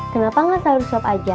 kenapa enggak sayur sop aja